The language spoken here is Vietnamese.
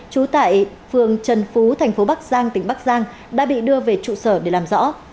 trú tại phường trần phú thành phố bắc giang tỉnh bắc giang đã bị đưa về trụ sở để làm rõ